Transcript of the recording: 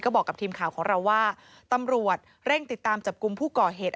บอกกับทีมข่าวของเราว่าตำรวจเร่งติดตามจับกลุ่มผู้ก่อเหตุ